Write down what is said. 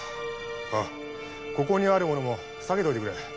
あぁここにあるものも下げといてくれ。